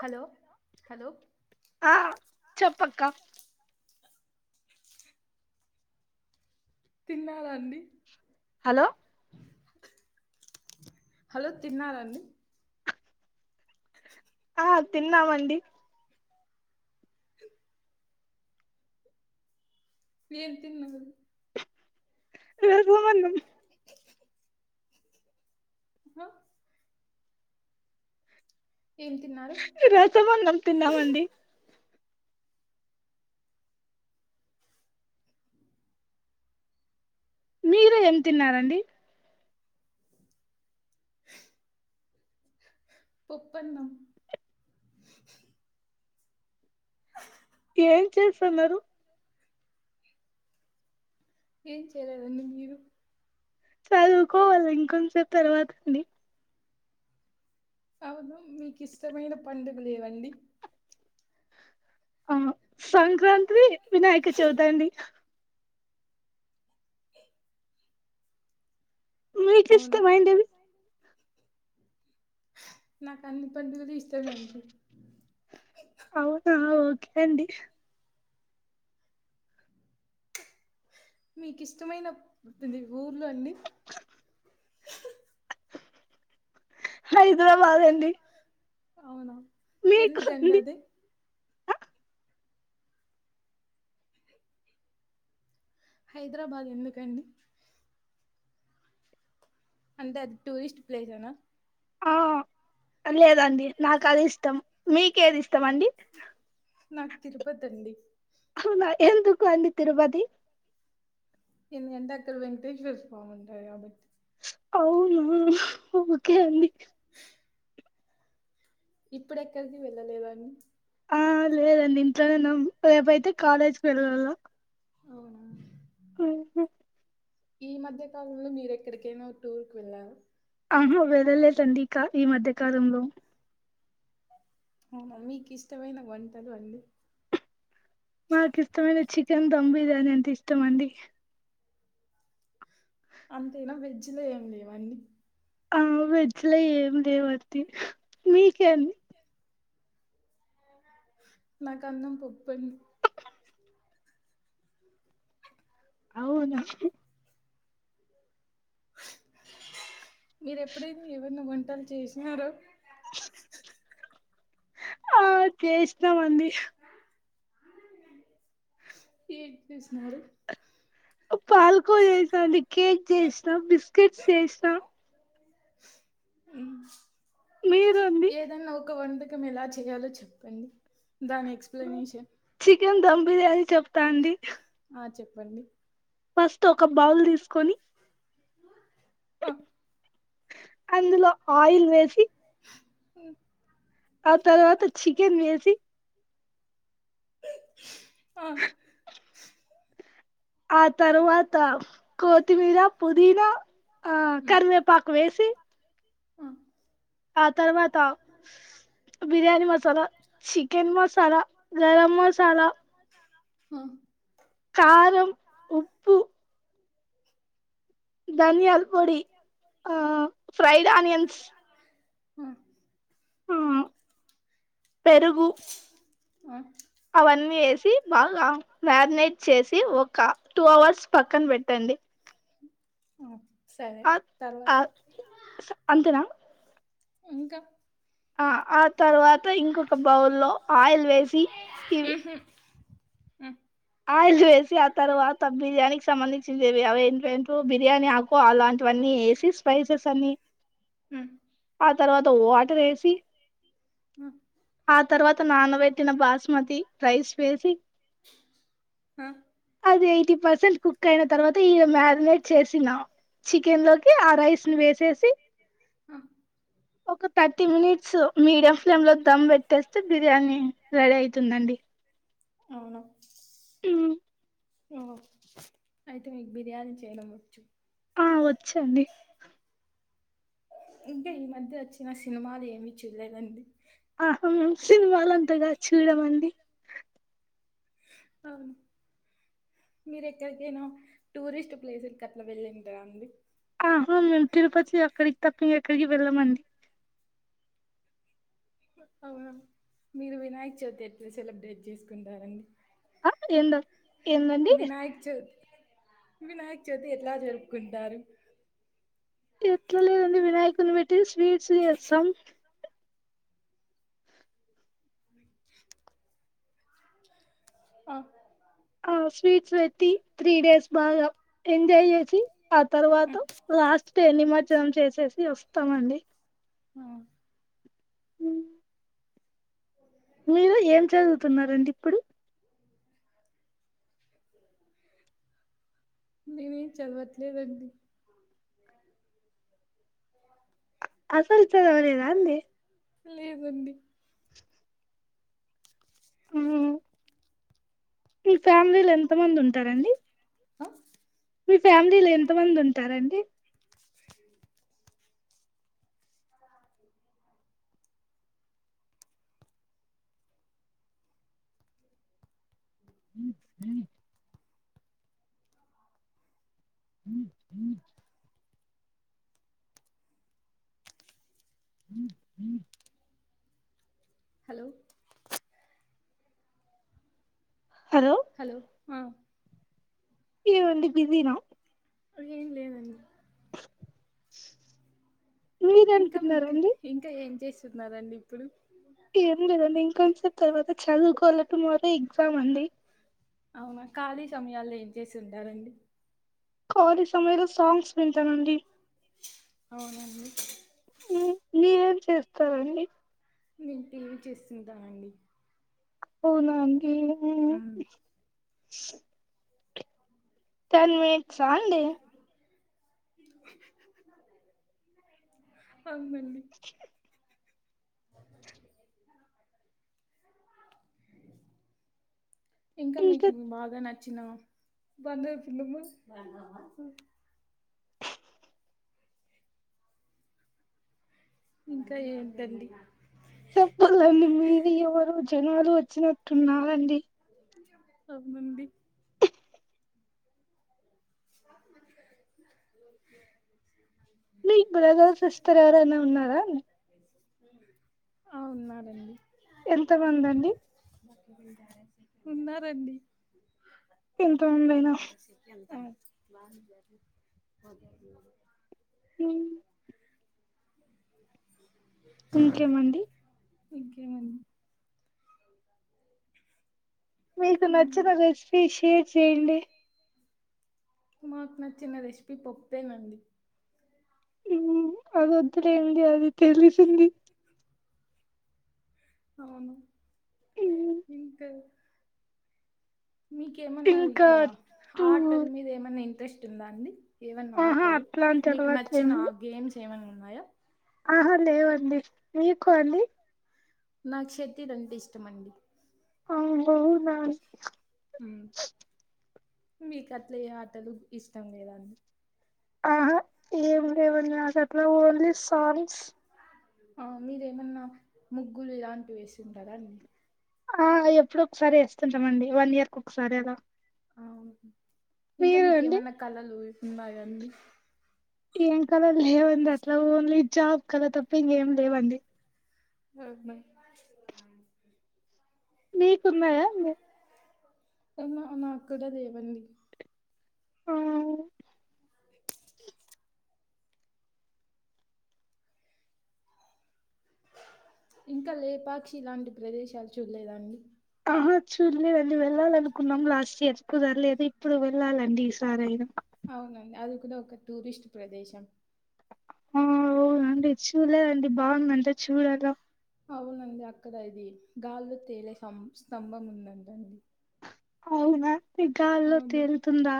Hello hello ఆ చెప్పక్క తిన్నారండి హలో హలో తిన్నారండి ఆ తిన్నామండి ఏం తిన్నదు పెరుగు అన్నం హ ఏం తిన్నారు రసమ న్నం తిన్నామండి మీరు పం తిన్నారండి పోప్పన్నం అహ్ ఏం చేస్తున్నరు ఏం చేయలేదండి మీరు చదువుకోవాలె ఇంకొంచసేపు తర్వాత అండి అవును మీకిష్టమైన పండుగలు ఏవండి ఆ సంక్రాంత్రి వినాయక చవి తండి మీ కిష్ట అవునా మైండవి నాకు అన్ని పండుగలు ఇష్టమే అండి అవునా ఓకె అండి మీకు ఇష్టమైన కొన్ని ఊర్లు అండి హైద్రాబాద్ అండి అవున మీకు ఎందు అండి కండది హైద్రాబాద్ ఎందుకండి అంటే అది టూరిస్ట్ ప్లేస్ అనా ఆ లేదండి నాకు అది ఇష్టం మీకేది ఇష్టం అండి నా క్ తిరుపతి అండి అవునా ఎందుకు అండి తిరుపతి ఎందుకంటే అక్కడ వెంకటేశ్వర స్వామి ఉంటారు కాబట్టి అవును ఓకె అండి ఇప్పుడెక్కడికి వెళ్ళలేదని ఆ లేదండి ఇంట్లోనే ఉన్నామ్ రేపయితే కాలేజ్కి వెళ్ళాల అవున ఉహు ఈ మధ్య కాలంలో మీరెక్కడికైనా ఒక టూర్ కుి వెళ్ళారు ఆహా వెళ్ళలేదండి ఈ మధ్య కాలంలో అవును మీకు ఇష్టమైన వంటలు అండి నాకు ఇష్టమైన చికెన్ ధంబిర్యానీ అంటే ఇష్టమండి అంతేన వెజ్లో ఏం లేవ అండి ఆ వెజ్ లో ఏం లేవండి మీకేం నాకందం పప్పె అవున మీరు ఎప్పుడైనా ఎవన్న వంటల్ చేసినార [unintelligible] ఆ చేస్తామండి ఏం చేస్తున్నారు పాల్కో చేసాండి కేక్ చేసినా బిస్కెట్స్ చేసినా ఉమ్ మీరు అండి ఏదన్నా ఒక వంట కం ఎలా చేయాలో చెప్పండి దాని ఎక్స్ప్లెనేషన్ చికెన్ ధమ్ బిర్యానీ చెప్తాండి పండి ఫస్ట్ ఒక బౌల్ తీసుకొని ఆ అందులో ఆయిల్ వేసి హ ఆ తవాత్త చికెన్ వేసి ఆ ఆ తర్వాత కొత్తిమీర పుదీనా ఆ ఉమ్ కరివేపాకు వేసి ఆ ఆ తర్వాత బిర్యానీ మసాలా చికెన్ మసాలా గరం మసాలా హ కారంం ఉప్పు ధాన్యాలు పొడి ఆ ఫ్రైడ్ ఆనియన్స్ ఆ పెరుగు ఆ అన్ని వేసి బాగా మ్యారినేట్ చేసి ఒక టూ అవర్స్ పక్కన పెట్టండి అఓ అ అంతనాా ఇంకా ఆ ఆ తర్వాత ఇంకొక బౌ లో ఆయిల్ వేసి ఇవి ఆ ఆయిల్ వేసి ఆ తర్వాత బిర్యానీకి సంబంధించినేవి అవి ఏంటేంటో బిర్యానీ ఆకు అలాంటివన్నీ వేసి స్పైసెస్ అని హ తర్వాత వాటర్ వేసి ఉ ఆ తర్వాత నానబెట్టిన బాస్మతి రైస్ వేసి ఆ అది ఎయిటీ పర్సెంట్ కుక్ అయిన తర్వాత ఈ మ్యారినేట్ చేసినా చికెన్ లోకి ఆ రైస్ ని వేసేసి ఆ ఒక థర్టీ మినిట్స్ మీడియం ఫ్లేమ్ లో దమ్ పెట్టేస్తే బిర్యానీ రెడీ అయితుందండి అవునా మ్ ఓ అయితే మీకు బిర్యానీ చేయడం వచ్చు వచ్చు అండి ఇంకా ఈ మధ్య వచ్చిన సినిమాలు ఏమి చూలేదండి ఆహా సినిమా లు అంతగా చూడమండి అవును మీరు ఎక్కడికైనా టూరిస్ట్ ప్లేసులకి అట్లా వెళ్ళిండ్రా అండి ఆహా మేము తిరుపతి అక్కడికి తప్ప ఎక్కడికి వెళ్ళమండి అవునా మీరు వినాయక చవితి ఎట్ల సెలబ్రేట్ చేసుకుంటారండి ఆ ఏందం ఏందండి వినాయక్ చవితి ఎట్లా జరుపుకుంటారు ఎట్లలేదండి వినాయకుని వె ట్టి స్వీట్స్ చేస్సాం ఆ ఆ స్వీట్స్ పెట్టి త్రీ డేస్ బాగా ఎం జాయ్ చేసి ఆ ఆ తర్వాత లాస్ట్ డే నిమ ర్జనం చేసేసి వస్తామండి ఆ హ మీరు ఏం చదువుతున్నారండి ఇప్పుడు నేనేం చదవట్లేదండి అసల్ చదవలేదా అండి లేదండి మ్ ఫ్యామిలీలో ఎంత మంది ఉంటారండి ఆ మీ ఫ్యామిలీలో ఎంత మంది ఉంటారండి [unintelligible] [unintelligible] [unintelligible] హలో హలో ఆ ఏవండీ బిజీనా ఏం లేదండి [unintelligible] మీరేం ఇంకా మీకు తిన్నారండి ఇంకా ఏం చేస్ స్తున్నారండి ఇప్పుడు ఏం లేదండి ఇంకొంసేపు తర్వాత చదువుకోవాల టుమారో ఎగ్జామ్ అండి అవునా ఖాళీ సమయాల్లో ఏం చేసి ఉంటారండి ఖాళీ సమయంలో సాంగ్స్ వింటానండి అవునా అండి హ్మ్ మీరేం చేస్తారండి నేన్ టీవీ చూస్తుంటానండి అవునా అండ్ ఊమ్ స్ టెన్ మీట్సా అండి అమ్మాల్ [unintelligible] ఇంకా మీకు బాగా నట్ చిన్నవ ఇంకా ఏంటండి చెపులండి మీరు ఎవరు జనాలు వచ్చినట్ టున్నారండి అవునండి [unintelligible] ని బ్రదర్ సిస్టర్ ఎవరైనా ఉన్నారా ఆ ఉన్నారండి ఎంత మంది అండి ఉన్నారండి ఎంత మంది అయినా అ బా జరిద [unintelligible] హ్మ్ ఇంకేమండి ఇంకే మండ్ మీకు నచ్చిన ఉమ్ రెషిపీ షేర్ చేయండి మాకు నచ్చిన రెషిపీ పప్పే నండి అదొద్ లెండి అది తెలిసింది అవును మ్ ఇంకా మీకేమన్నా ఇంకా ఇట్లా టూ ఆటల మీద ఏమన్నా ఇంట్రెస్ట్ టుందా అండీ ఏవన్నా ఆహా ఆటలు అట్లాంటి మీకు అలవాట్లు నచ్చిన ఏమి గేమ్స్ ఏమన్న ఉన్నాయా ఆహా లేవండి మీకు అండి నాక్ షెటిల్ అంటే ఇష్టమండి అం గోద్ [unintelligible] నాన్ మ్మ్. మీకు అట్లే ఏ ఆటలు ఇష్టం లేద ఆహా ఏం లేవని ఆ సర్ ఓన్లీ సాంగ్స్ ఆ మీరేమన్నా ముగ్గులు ఇలాంటివి వేసింటదండి ఆ ఎప్పుడో ఒకసారి ఎస్తుంటామండి వన్ ఇయర్ కోకసారి అలా అవునా ఇంకా మీరు మీకు అండి ఏమైనా కళలు నాగండి ఏం కళలు లేవండి అట్ల ఓన్లీ జాబ్ కదా తప్పి ఇంకేం లేవండి అవున మీకున్నాయ అండి కన్న నాక్కూడా లేవండి ఆ ఇంకా లేపాక్షి లాంటి ప్రదేశాలు చూడలేదండి ఆహ చూలేదండి వెళ్ళాలనుకున్నాం లాస్ట్ ఇయర్ కుదరలేదు ఇప్పుడు వెళ్ళాలండి ఈసారయినా అవునండి అది కూడా ఒక టూరిస్ట్ ప్రదేశం ఆ ఓనండి చూలేదండి బాగుందంట చూడలా అవునండి అక్కడ ఇది గాల్లో తేలే స్తం స్తంభం ఉందంటండి అవునా ఈ గాల్లో తేలుతుందా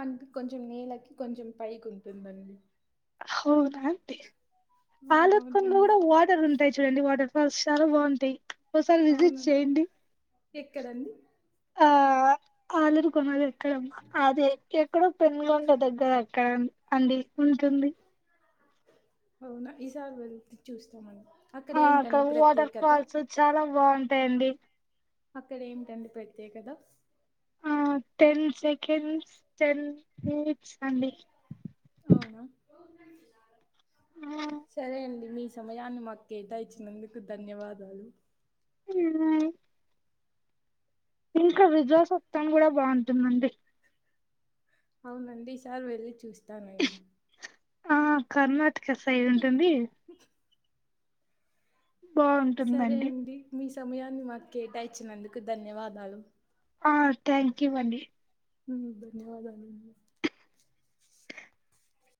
అంట కొంచెం నేలకి కొంచెం పైకి ఉంటుందండి హవునా అంటి ఆ! ఆలూరుకోనలో అవునండి కూడా వాటర్ ఉంటాయి చూడండి వాటర్ వర్షాలు బాగుంటాయి ఒకసారి విజిట్ అవునండి చేయండి ఎక్కడండి ఆ ఆలురు కొనాల ఎక్కడమ్మా అదే ఎక్కడో పెనుకొండ దగ్గర అక్కరం అండి ఉంటుంది అవునా ఈ సారీ వెళ్తే చూస్తాం మండి ఆ అక్కడ వాటర్ ఫాల్స్ చాలా బాగుంటాయండి అక్కడ ఏమిటి అండి ప్రత్యేకత ఆ టెన్ సెకండ్స్ టెన్ పిప్ సండి అవునా సరే అండి మీ సమయాన్ని మాకు కేటాయిచ్చినందుకు ధన్యవాదాలు ఇరువై ఇంకా విదురాసెత్తంన్ కూడా బాగుంటుందండి అవునండి ఈ సార్ వెళ్ళి చూస్త తనై ఆ కర్ణ టక సైడు ఉంటుంది సరే బాగుంటుందండి అండి మీ సమయాన్ని మాకు కేటాయించినందుకు ధన్యవాదాలు ఆ థ్యాంక్ యూ అండి ధన్యవాదాలు